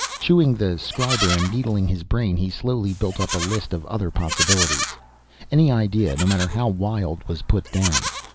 Chewing the scriber and needling his brain, he slowly built up a list of other possibilities. Any idea, no matter how wild, was put down.